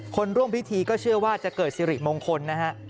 ร่วมพิธีก็เชื่อว่าจะเกิดสิริมงคลนะฮะ